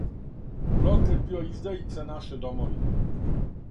Проклет био издајица наше домовине!